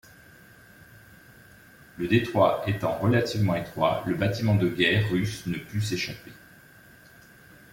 Le détroit étant relativement étroit, le bâtiment de guerre russe ne put s'échapper.